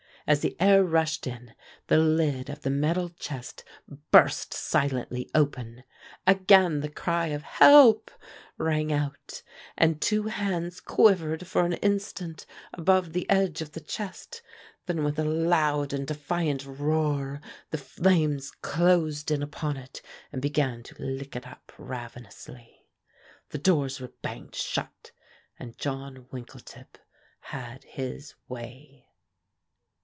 As the air rushed in, the lid of the metal chest burst silently open. Again the cry of "Help!" rang out, and two hands quivered for an instant above the edge of the chest, then with a loud and defiant roar the flames closed in upon it, and began to lick it up ravenously. The doors were banged shut, and John Winkletip had his way.